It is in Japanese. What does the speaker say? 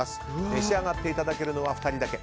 召し上がっていただけるのは２人だけ。